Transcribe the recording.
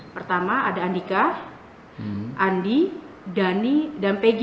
pertama ada andika andi dhani dan pegi